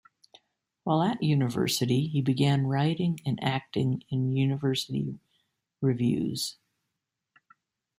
While at university he began writing and acting in university revues.